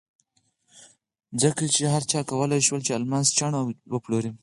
ځکه چې هر چا کولای شول چې الماس چاڼ او وپلوري.